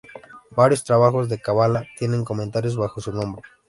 Varios trabajos de Cábala tienen comentarios bajo su nombre.